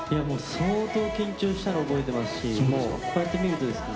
相当緊張したの覚えてますしこうやって見るとですね